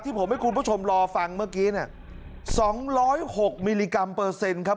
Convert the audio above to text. ผมให้คุณผู้ชมรอฟังเมื่อกี้เนี่ย๒๐๖มิลลิกรัมเปอร์เซ็นต์ครับ